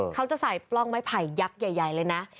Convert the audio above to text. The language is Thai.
เขาจะใส่ปล้องไม้ไผ่ยักษ์ใหญ่เลยนะ